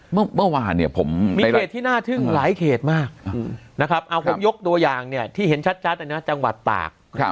เมื่อวานเนี่ยผมมีเขตที่น่าทึ่งหลายเขตมากนะครับเอาผมยกตัวอย่างเนี่ยที่เห็นชัดเลยนะจังหวัดตาก